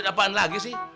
duit apaan lagi sih